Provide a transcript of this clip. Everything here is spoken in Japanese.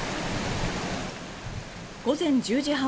午前１０時半